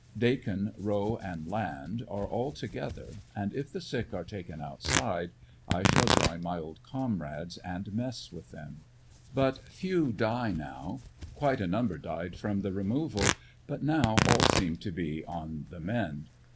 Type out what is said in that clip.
Dakin, Rowe and Land are all together, and if the sick are taken outside I shall join my old comrades and mess with them. But few die now; quite a number died from the removal, but now all seem to be on the mend.